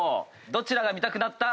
どちらが見たくなった？